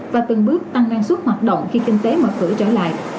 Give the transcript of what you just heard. và từng bước tăng năng suất hoạt động khi kinh tế mở cửa trở lại